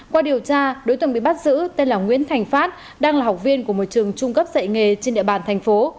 qua điều tra đối tượng bị bắt giữ tên là nguyễn thành phát đang là học viên của một trường trung cấp dạy nghề trên địa bàn thành phố